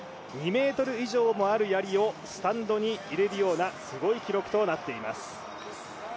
２ｍ以上もあるやりをスタンドに入れるようなすごい記録となっています。